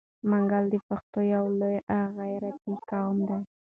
منګل د پښتنو یو لوی او غیرتي قوم دی.